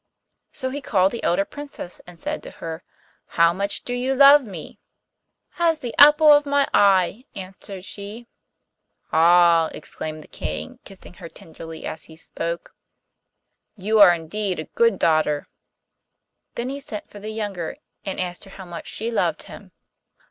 So he called the elder Princess and said to her, 'How much do you love me?' 'As the apple of my eye!' answered she. 'Ah!' exclaimed the King, kissing her tenderly as he spoke, 'you are indeed a good daughter.' Then he sent for the younger, and asked her how much she loved him.